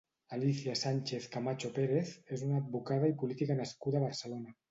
Alicia Sánchez-Camacho Pérez és una advocada i política nascuda a Barcelona.